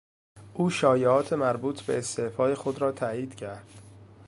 او شایعات مربوط به استعفای خود راتایید کرد.